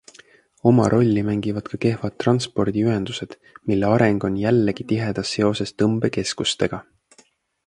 Oma rolli mängivad ka kehvad transpordiühendused, mille areng on jällegi tihedas seoses tõmbekeskustega.